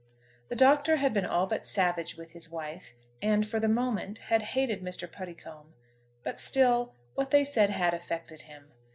THE Doctor had been all but savage with his wife, and, for the moment, had hated Mr. Puddicombe, but still what they said had affected him.